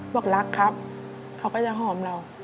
บอกรักครับเขาก็จะหอมเรา